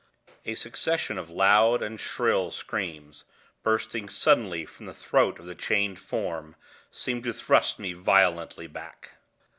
A succession of loud and shrill screams, bursting suddenly from the throat of the chained form, seemed to thrust me violently back.